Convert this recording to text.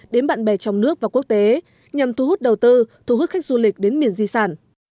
đến bạn bè trong nước và quốc tế nhằm thu hút đầu tư thu hút khách du lịch đến miền di sản